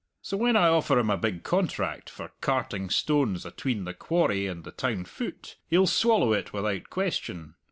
So when I offer him a big contract for carting stones atween the quarry and the town foot, he'll swallow it without question.